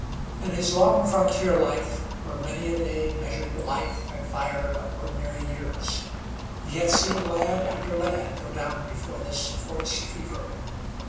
In his long frontier life, where many a day measured the life and fire of ordinary years, he had seen lad after lad go down before this forest fever.